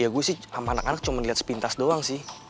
ya gue sih sama anak anak cuma lihat sepintas doang sih